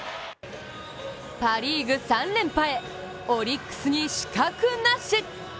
パ・リーグ３連覇へ、オリックスに死角なし。